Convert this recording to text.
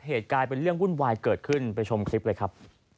กลายเป็นเรื่องวุ่นวายเกิดขึ้นไปชมคลิปเลยครับ